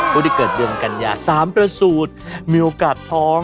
ผู้ที่เกิดเดือนกัญญา๓ประสูจน์มีโอกาสท้อง